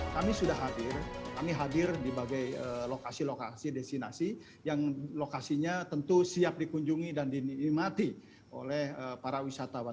kami sudah hadir kami hadir di bagai lokasi lokasi destinasi yang lokasinya tentu siap dikunjungi dan dinikmati oleh para wisatawan